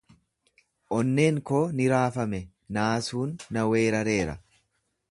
Onneen koo ni raafame, naasuun na weerareera.